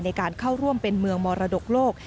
ในการเข้าร่วมเป็นเมืองมรดกโลก